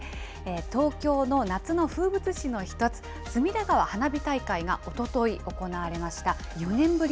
東京の夏の風物詩の１つ、隅田川花火大会がおととい行われました。